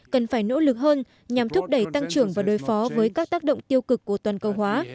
cần phải nỗ lực hơn nhằm thúc đẩy tăng trưởng và đối phó với các tác động tiêu cực của toàn cầu hóa